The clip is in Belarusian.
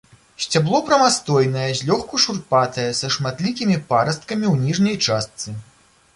Сцябло прамастойнае, злёгку шурпатае, са шматлікімі парасткамі ў ніжняй частцы.